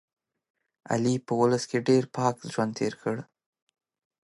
علي په اولس کې ډېر پاک ژوند تېر کړ.